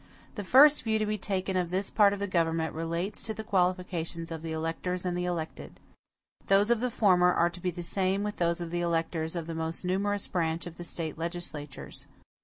The first view to be taken of this part of the government relates to the qualifications of the electors and the elected. Those of the former are to be the same with those of the electors of the most numerous branch of the State legislatures.